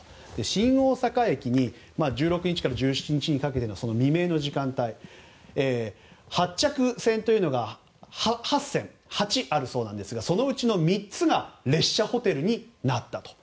新大阪駅に１６日から１７日にかけての未明の時間帯発着線というのが８線あるそうなんですがそのうち３つが列車ホテルになったと。